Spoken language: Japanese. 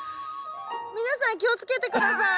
皆さん気をつけて下さい。